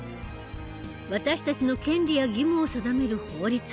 私たちの権利や義務を定める法律。